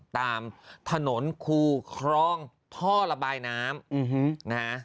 ตามถนนคู่คลองท่อระบายน้ำ